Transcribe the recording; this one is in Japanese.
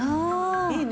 いいね。